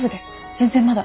全然まだ。